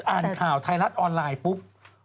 อ่านข่าวไทยรัฐออนไลน์ปุ๊บ